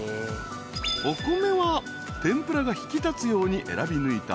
［お米は天ぷらが引き立つように選びぬいた］